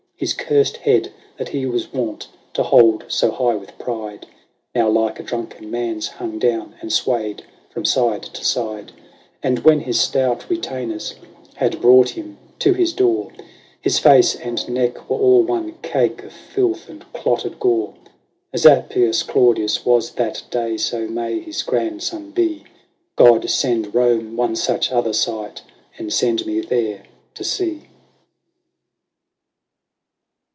His cursed head, that he was wont to hold so high with pride, Now, like a drunken man's, hung down, and swayed from side to side ; And when his stout retainers had brought him to his door, His face and neck were all one cake of filth and clotted gore. As Appius Claudius was that day, so may his grandson be ! God send Rome one such other sight, and send me there to see